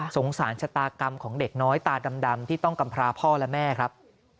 สารชะตากรรมของเด็กน้อยตาดำที่ต้องกำพราพ่อและแม่ครับ